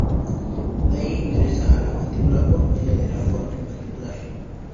De ahí ingresa a la mandíbula por medio del foramen mandibular.